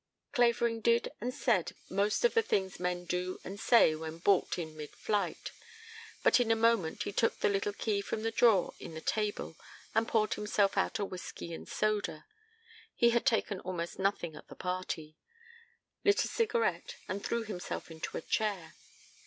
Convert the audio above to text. Clavering did and said most of the things men do and say when balked in mid flight, but in a moment he took the little key from the drawer in the table and poured himself out a whiskey and soda he had taken almost nothing at the party lit a cigarette and threw himself into a chair.